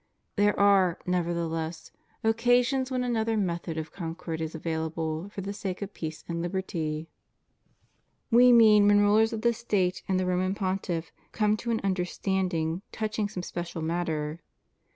There are, nevertheless, occasions when another method of concord is available for the sake of peace and liberty: We mean when rulers of the State and the Roman Pontiff come to an understanding touching some special matter.